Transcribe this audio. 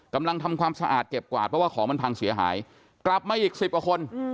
ทำความสะอาดเก็บกวาดเพราะว่าของมันพังเสียหายกลับมาอีกสิบกว่าคน